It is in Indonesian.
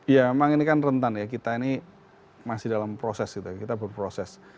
ya memang ini kan rentan ya kita ini masih dalam proses gitu kita berproses